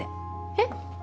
えっ？